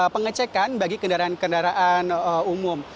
pengecekan bagi kendaraan kendaraan umum